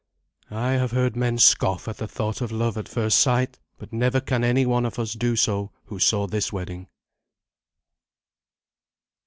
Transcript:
I have heard men scoff at the thought of love at first sight, but never can any one of us do so who saw this wedding.